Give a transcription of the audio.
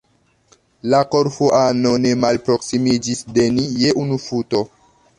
La Korfuano ne malproksimiĝis de ni je unu futo.